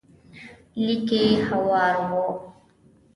ليکي هوار و.